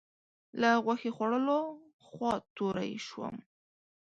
له غوښې خوړلو خوا توری شوم.